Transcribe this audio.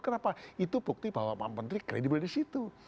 kenapa itu bukti bahwa pak menteri kredibel di situ